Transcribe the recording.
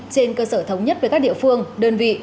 trên cơ sở thống nhất với các địa phương đơn vị